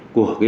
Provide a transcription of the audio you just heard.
của đối tượng